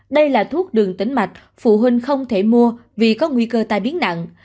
đây là thuốc đường tĩnh mạch phụ huynh không thể mua vì có nguy cơ tai biến nặng